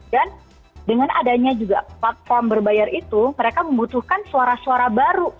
dan dengan adanya juga platform berbayar itu mereka membutuhkan suara suara baru